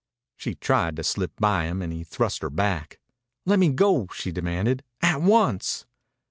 She tried to slip by him and he thrust her back. "Let me go!" she demanded. "At once!"